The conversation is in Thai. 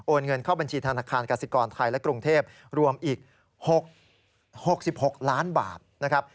เงินเข้าบัญชีธนาคารกสิกรไทยและกรุงเทพรวมอีก๖๖ล้านบาทนะครับ